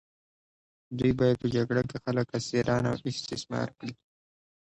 دوی باید په جګړه کې خلک اسیران او استثمار کړي.